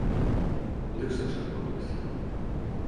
Дык што ж адбылося?